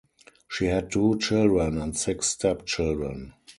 She had two children and six step children.